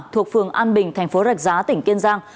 thuộc phường an bình tp rạch giá tỉnh kiên giang